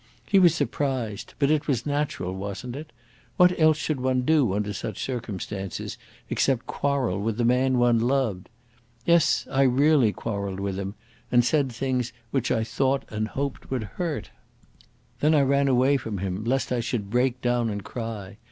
He was surprised; but it was natural, wasn't it? What else should one do under such circumstances, except quarrel with the man one loved? Yes, I really quarrelled with him, and said things which I thought and hoped would hurt. Then I ran away from him lest I should break down and cry.